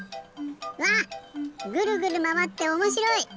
うわっぐるぐるまわっておもしろい！